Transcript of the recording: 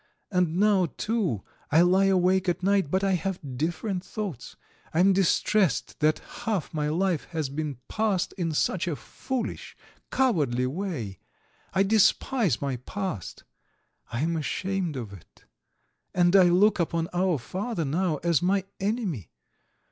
And now, too, I lie awake at night, but I have different thoughts. I am distressed that half my life has been passed in such a foolish, cowardly way. I despise my past; I am ashamed of it. And I look upon our father now as my enemy.